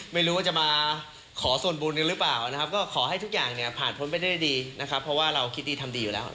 ไม่ก็คือคนนี้เราก็รู้อยู่แล้วว่าเขาเป็นคนนี้แหละ